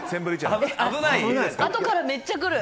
あとからめっちゃ来る。